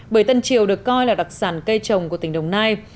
bưở tân triều được coi là đặc sản cây trồng của tỉnh đồng nai